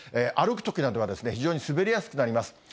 歩くときなどは非常に滑りやすくなります。